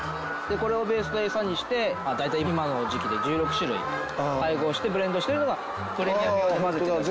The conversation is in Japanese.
これをベースのエサにして大体今の時期で１６種類配合してブレンドしてるのがこれにあけて混ぜてあります。